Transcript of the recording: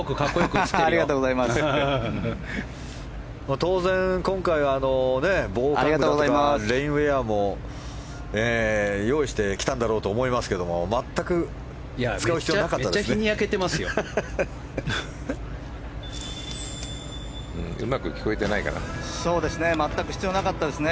当然、今回は防寒具とかレインウェアも用意してきたんだろうと思いますけど全く使う必要なかったですね。